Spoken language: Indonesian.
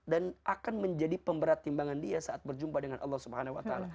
dan akan menjadi pemberat timbangan dia saat berjumpa dengan allah swt